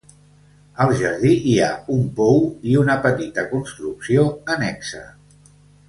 Al jardí hi ha un pou i una petita construcció annexa.